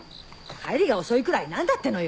帰りが遅いくらい何だってのよ！